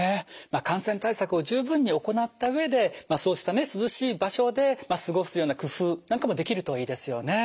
感染対策を十分に行った上でそうしたね涼しい場所で過ごすような工夫なんかもできるといいですよね。